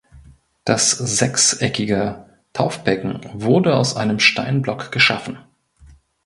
Das sechseckige Taufbecken wurde aus einem Steinblock geschaffen.